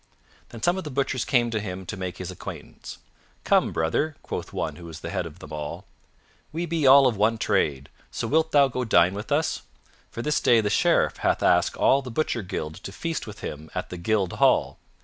Then some of the butchers came to him to make his acquaintance. "Come, brother," quoth one who was the head of them all, "we be all of one trade, so wilt thou go dine with us? For this day the Sheriff hath asked all the Butcher Guild to feast with him at the Guild Hall.